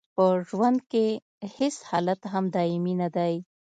په ژوند کې هیڅ حالت هم دایمي نه دی.